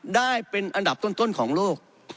ได้เป็นอันดับต้นของโลก